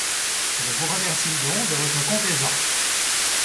Je vous remercie donc de votre complaisance.